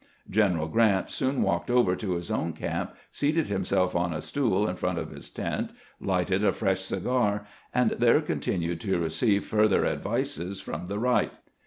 Gen eral Grant soon walked over to his own camp, seated himself on a stool in front of his tent, lighted a fresh cigar, and there continued to receive further advices from the right.